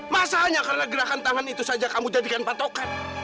masanya karena gerakan tangan itu saja kamu jadikan patokan